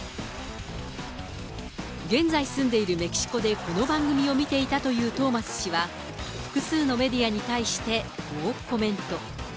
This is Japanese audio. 現在住んでいるメキシコでこの番組を見ていたというトーマス氏は、複数のメディアに対して、こうコメント。